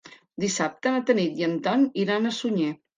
Dissabte na Tanit i en Ton iran a Sunyer.